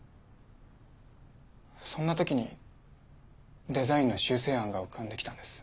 そんな時にデザインの修正案が浮かんできたんです。